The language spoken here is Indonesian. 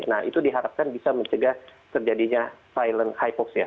nah itu diharapkan bisa mencegah terjadinya silent hypoxia